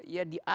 ya di atas